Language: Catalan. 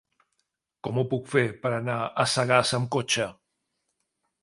Com ho puc fer per anar a Sagàs amb cotxe?